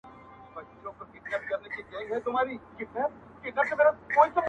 ګوره وي او که به نه وي دلته غوږ د اورېدلو٫